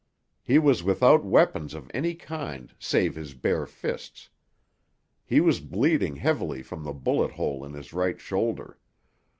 He was without weapons of any kind save his bare fists. He was bleeding heavily from the bullet hole in his right shoulder.